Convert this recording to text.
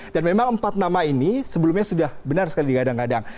dan memang empat nama ini sebelumnya sudah benar sekali digadang gadang